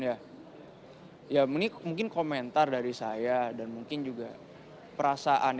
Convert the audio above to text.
ya ini mungkin komentar dari saya dan mungkin juga perasaan